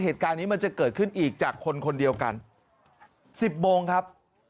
เหตุการณ์นี้มันจะเกิดขึ้นอีกจากคนคนเดียวกัน๑๐โมงครับ